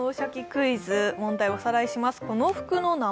クイズ」問題をおさらいします。